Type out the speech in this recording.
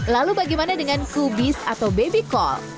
lalu bagaimana dengan kubis atau baby call